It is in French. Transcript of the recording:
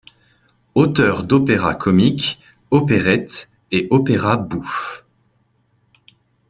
Auteur d’opéras comiques, opérettes et opéras bouffes.